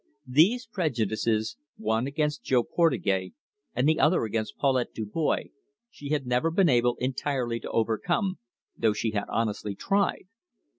These prejudices, one against Jo Portugais and the other against Paulette Dubois, she had never been able entirely to overcome, though she had honestly tried.